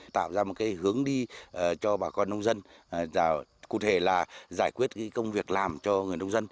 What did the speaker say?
tạo ra một hướng đi cho bà con nông dân cụ thể là giải quyết công việc làm cho người nông dân